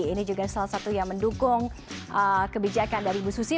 ini juga salah satu yang mendukung kebijakan dari bu susi